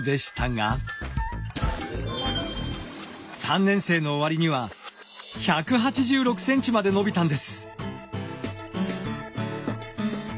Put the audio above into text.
３年生の終わりには１８６ｃｍまで伸びたんです。